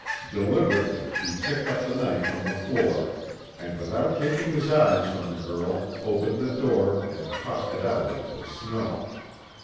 Deliberately he picked up the knife from the floor, and without taking his eyes from the girl opened the door and tossed it out into the snow.